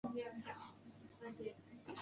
刘熙在前赵灭亡后被杀。